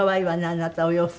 あなたお洋服。